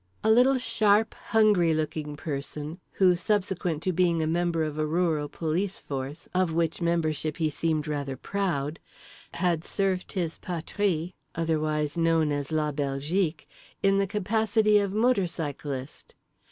A little, sharp, hungry looking person who, subsequent to being a member of a rural police force (of which membership he seemed rather proud), had served his patrie—otherwise known as La Belgique—in the capacity of motorcyclist.